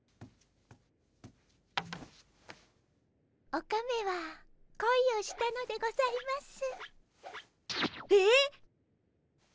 オカメはこいをしたのでございます。